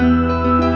iya tuh cek